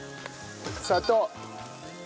砂糖。